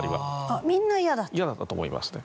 嫌だったと思いますね。